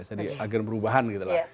jadi agen perubahan gitu lah